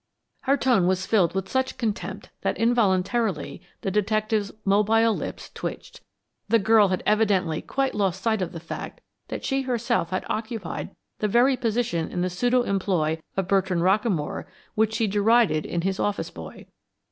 Her tone was filled with such contempt that involuntarily the detective's mobile lips twitched. The girl had evidently quite lost sight of the fact that she herself had occupied the very position in the pseudo employ of Bertrand Rockamore which she derided in his office boy.